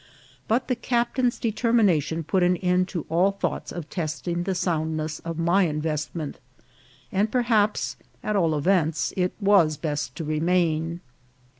But the captain's deter mination put an end to all thoughts of testing the sound ness of my investment ; and perhaps, at all events, it was best to remain.